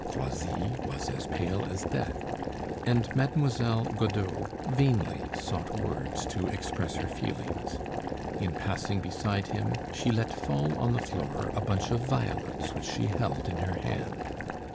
Croisilles was as pale as death, and Mademoiselle Godeau vainly sought words to express her feelings. In passing beside him, she let fall on the floor a bunch of violets which she held in her hand.